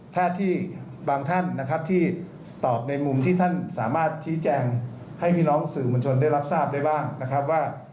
ถ้าที่บางท่านนะครับที่ตอบในมุมที่ท่านสามารถชี้แจงให้พี่น้องสื่อมวลชนได้รับทราบได้บ้างนะครับว่า